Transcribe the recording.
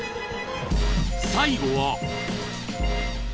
［最後は］